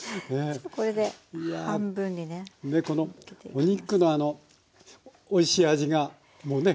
お肉のあのおいしい味がもうね